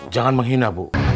jangan menghina bu